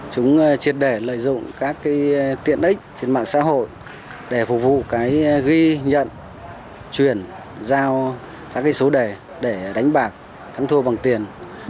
chúng triệt đề lợi dụng các tiện ích trên mạng xã hội để phục vụ ghi nhận truyền giao các số đề để đánh bạc thắng thua bằng tiền